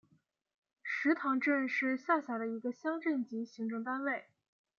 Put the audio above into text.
石塘镇是下辖的一个乡镇级行政单位。